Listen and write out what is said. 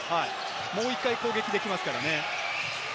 もう１回攻撃できますからね。